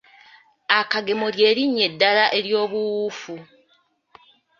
Akagemo ly'erinnya eddala ery'obuwufu.